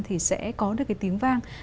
thì sẽ có được cái tiếng vang